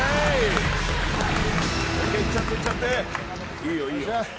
いいよ、いいよ。